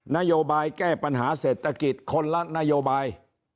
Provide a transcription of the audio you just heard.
นโยบายแก้ปัญหาเศรษฐกิจคนละนโยบาย